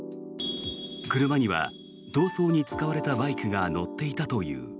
車には逃走に使われたバイクが載っていたという。